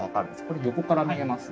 これ横から見えます？